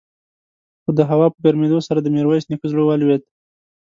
خو د هوا په ګرمېدو سره د ميرويس نيکه زړه ولوېد.